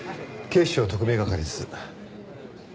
警視庁特命係です。